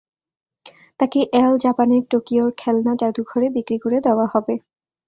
তাকে অ্যাল জাপানের টোকিওর খেলনা জাদুঘরে বিক্রি করে দেওয়া হবে।